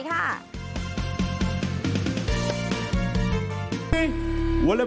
สวัสดีค่ะ